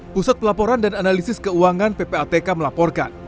pusat pelaporan dan analisis keuangan ppatk melaporkan